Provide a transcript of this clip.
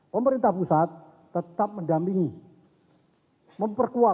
pemerintah pusat tetap mendampingi dan menangani kemampuan dan kemampuan yang diperlukan oleh bnp